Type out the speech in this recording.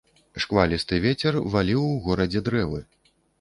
Шквалісты вецер валіў у горадзе дрэвы.